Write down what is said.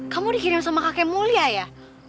kamu dikirim sama kakek mulia ya